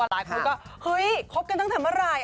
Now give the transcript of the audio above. หลายคนก็เฮ้ยคบกันตั้งแต่เมื่อไหร่